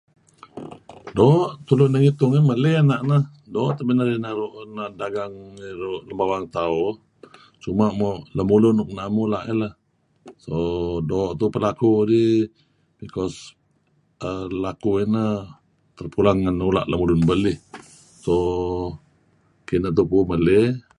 Doo' tulu narih ngitung maley ena' neh doo' tabe' narih naru' dagang ngi bawang tauh cuma' mo' lemulun nuk am mula' leh keneh. Ooh doo' tuuh peh laku dih bcause laku ineh terpulang ngen ula' lemlun belih. So kineh tupu maley keh.